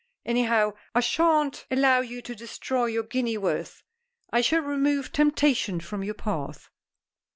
Anyhow, I shan't allow you to destroy your guinea's worth. I shall remove temptation from your path."